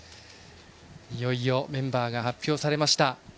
いよいよメンバーが発表されました。